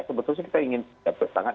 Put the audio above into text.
sebetulnya kita ingin